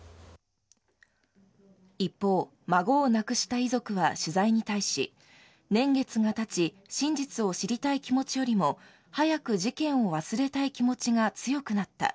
一方、孫を亡くした遺族は取材に対し、年月が経ち、真実を知りたい気持ちよりも早く事件を忘れたい気持ちが強くなった。